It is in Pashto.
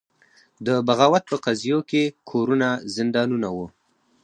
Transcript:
د بغاوت په قضیو کې کورونه زندانونه وو.